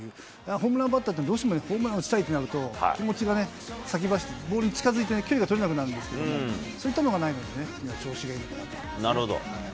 ホームランバッターって、どうしてもホームラン打ちたいってなると、気持ちが先走ってボールに近づいて、距離が取れなくなるんですけど、そういったものがないのでね、なるほど。